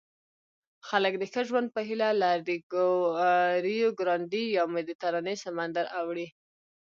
خلک د ښه ژوند په هیله له ریوګرانډي یا مدیترانې سمندر اوړي.